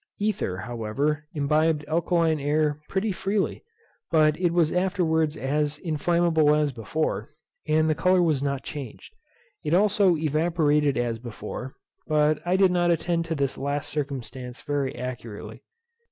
Ether, however, imbibed alkaline air pretty freely; but it was afterwards as inflammable as before, and the colour was not changed. It also evaporated as before, but I did not attend to this last circumstance very accurately.